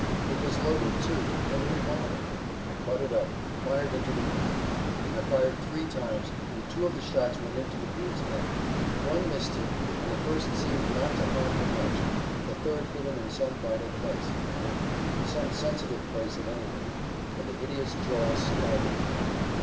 It was loaded, too, and a revolver. I caught it up, and fired into the water. I fired three times, and two of the shots went into the brute's head. One missed him, and the first seemed not to harm him much, but the third hit him in some vital place, I hope, some sensitive place, at any rate, for the hideous jaws started wide.